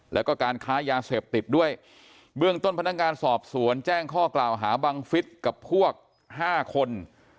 แล้วก็การค้ายาเสพติดด้วยเบื้องต้นพนักงานสอบสวนแจ้งข้อกล่าวหาบังฟิศกับพวกห้าคน